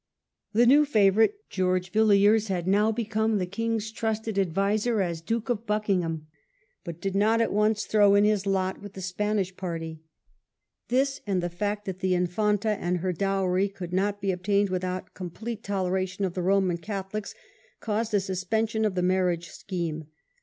The new favourite, George Villiers, had now become the king's trusted adviser as Duke of Buckingham, but THE THIRTY YEARS' WAR. 1 5 did not at once throw in his lot with the Spanish party. This, and the fact that the Infanta and her dowry could not be obtained without complete toleration of the Roman Catholics, caused a suspension of the marriage scheme.